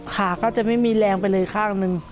ขาก็จะไม่มีแรงไปเลยข้างหนึ่ง